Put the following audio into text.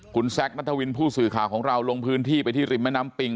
คุณแซคนัทวินผู้สื่อข่าวของเราลงพื้นที่ไปที่ริมแม่น้ำปิง